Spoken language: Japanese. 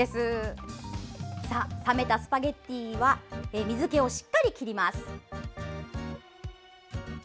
冷めたスパゲッティは水けをしっかり切ります。